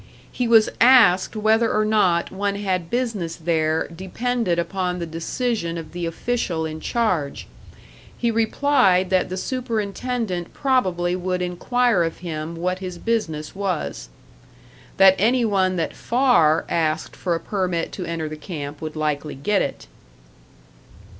He was asked whether or not one had business there depended upon the decision of the official in charge; he replied that the superintendent probably would inquire of him what his business was. That any one that Farr asked for a permit to enter the camp would likely get it....